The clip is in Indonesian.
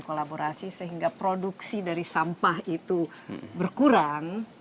kolaborasi sehingga produksi dari sampah itu berkurang